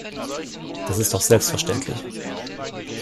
Das ist doch selbstverständlich.